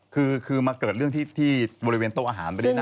คือมาเกิดเรื่องที่บริเวณโต๊ะอาหาร